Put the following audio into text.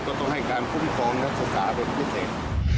ก็ต้องให้การคุ้มครองนักศึกษาเป็นพิเศษ